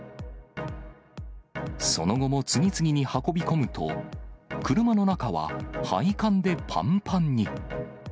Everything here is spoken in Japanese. その後も次々に運び込むと、車の中は、配管でぱんぱんに。